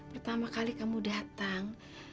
pertama kali kamu datang